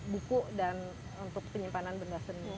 buku dan untuk penyimpanan benda seni